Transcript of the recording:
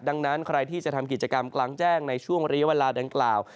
ดังนั้นใครที่จะทำกิจกรรมกลางแจ้งในช่วงเรียกเวลาดังกล่าว